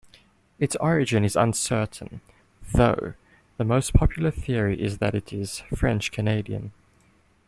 Its origin is uncertain, though the most popular theory is that it is French-Canadian.